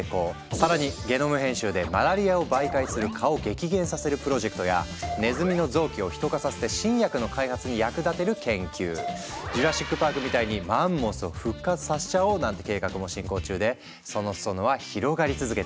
更にゲノム編集でマラリアを媒介する蚊を激減させるプロジェクトやネズミの臓器をヒト化させて新薬の開発に役立てる研究ジュラシック・パークみたいにマンモスを復活させちゃおうなんて計画も進行中でその裾野は広がり続けているんです。